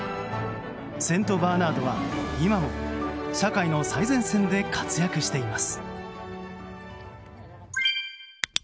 セントバーナードは、今も社会の最前線で活躍しています。